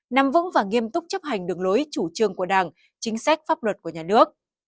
năm vững và nghiêm túc chấp hành đường lối chủ trương của đảng chính sách pháp luật của nhà nước